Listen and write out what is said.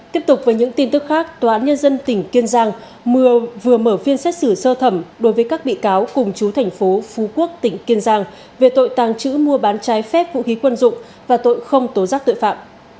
tiếp tục với những tin tức khác tòa án nhân dân tỉnh kiên giang vừa mở phiên xét xử sơ thẩm đối với các bị cáo cùng chú thành phố phú quốc tỉnh kiên giang về tội tàng trữ mua bán trái phép vũ khí quân dụng và tội không tố giác tội phạm